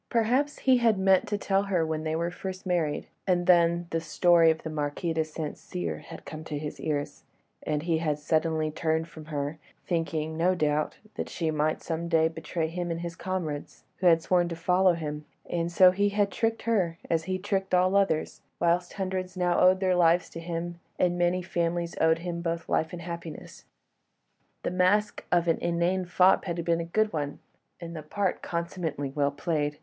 Perhaps he had meant to tell her when they were first married; and then the story of the Marquis de St. Cyr had come to his ears, and he had suddenly turned from her, thinking, no doubt, that she might some day betray him and his comrades, who had sworn to follow him; and so he had tricked her, as he tricked all others, whilst hundreds now owed their lives to him, and many families owed him both life and happiness. The mask of the inane fop had been a good one, and the part consummately well played.